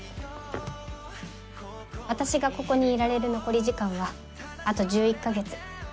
私がここにいられる残り時間はあと１１か月。